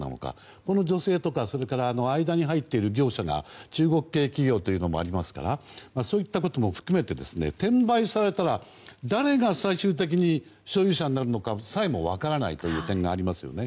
この女性とかそれから、間に入っている業者が中国系企業というのもありますからそういったことも含めて転売されたら誰が最終的に所有者になるのかさえも分からないという点がありますよね。